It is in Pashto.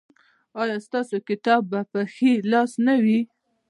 ایا ستاسو کتاب به په ښي لاس نه وي؟